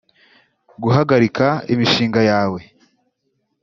Guhagarika imishinga yawe